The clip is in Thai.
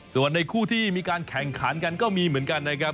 ส่วนในคู่ที่มีการแข่งขันกันก็มีเหมือนกันนะครับ